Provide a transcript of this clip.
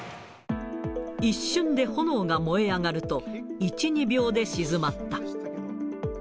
一瞬で炎が燃え上がると、１、２秒で鎮まった。